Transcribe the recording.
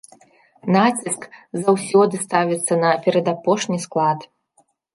Націск заўсёды ставіцца на перадапошні склад.